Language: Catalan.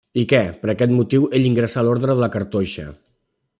I que, per aquest motiu, ell ingressà a l'orde de la Cartoixa.